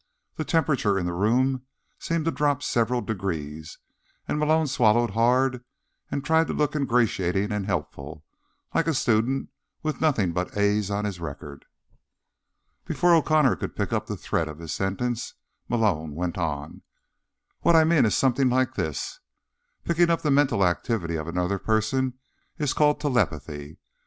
The temperature of the room seemed to drop several degrees, and Malone swallowed hard and tried to look ingratiating and helpful, like a student with nothing but A's on his record. Before O'Connor could pick up the thread of his sentence, Malone went on: "What I mean is something like this. Picking up the mental activity of another person is called telepathy.